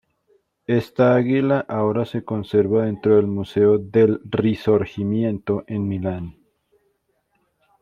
Esta águila ahora se conserva dentro del Museo del Risorgimento en Milán.